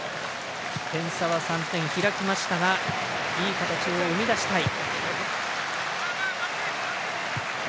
点差は３点、開きましたがいい形を生み出したい。